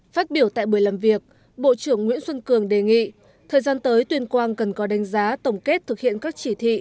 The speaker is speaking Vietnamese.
phát biểu tại buổi làm việc bộ trưởng nguyễn xuân cường đề nghị thời gian tới tuyên quang cần có đánh giá tổng kết thực hiện các chỉ thị